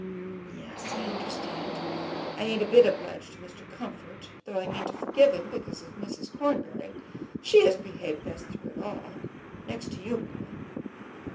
"Yes, I understand. I ain't a bit obliged to Mr. Comfort, though I mean to forgive him because of Mrs. Cornbury. She has behaved best through it all, next to you, mamma."